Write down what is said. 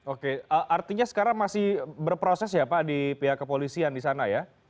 oke artinya sekarang masih berproses ya pak di pihak kepolisian di sana ya